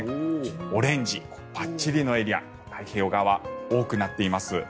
オレンジ、ばっちりのエリア太平洋側、多くなっています。